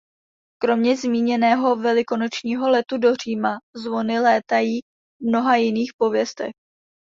Kromě zmíněného velikonočního letu do Říma zvony létají v mnoha jiných pověstech.